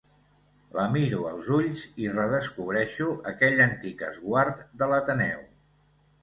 La miro als ulls i redescobreixo aquell antic esguard de l'Ateneu.